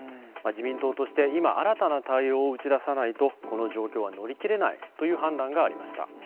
自民党として、今新たな対応を打ち出さないと、この状況は乗り切れないという判断がありました。